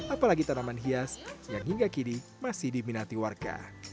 apalagi tanaman hias yang hingga kini masih diminati warga